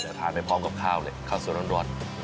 แต่ถังไปพร้อมกับข้าวเลยข้าวสุดร้อน